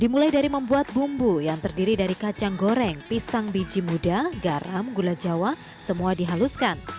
dimulai dari membuat bumbu yang terdiri dari kacang goreng pisang biji muda garam gula jawa semua dihaluskan